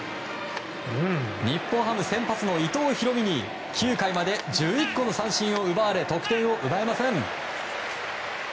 日本ハム先発の伊藤大海に９回まで１１個の三振を奪われ得点を奪えません。